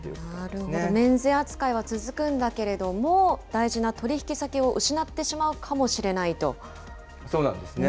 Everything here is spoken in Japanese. なるほど、免税扱いは続くんだけれども、大事な取り引き先をそうなんですね。